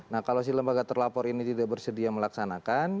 nah kalau si lembaga terlapor ini tidak bersedia melaksanakan